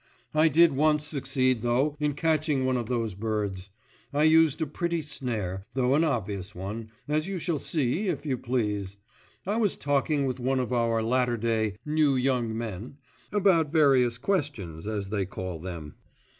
I did once succeed, though, in catching one of those birds. I used a pretty snare, though an obvious one, as you shall see if you please. I was talking with one of our latter day "new young men" about various questions, as they call them.